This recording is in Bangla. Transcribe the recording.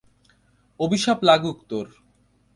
অভিশাপ লাগুক তোর!